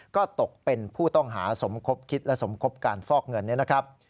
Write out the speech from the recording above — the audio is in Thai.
ก็ตกเป็นผู้ต้องหาสมคบคิดและสมคบการฟอกเงินเนี่ยนะครับ